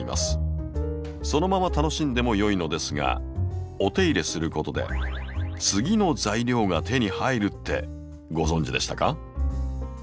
そのまま楽しんでもよいのですがお手入れすることで「次の材料」が手に入るってご存じでしたか？